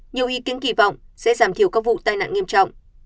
nhiều ý kiến kỳ vọng sẽ giảm thiểu các vụ tai nạn nghiêm trọng